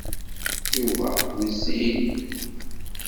Yuba wezzil.